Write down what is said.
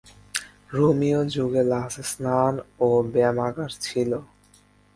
রোমীয় যুগে লাসে স্নান ও ব্যায়ামাগার ছিল।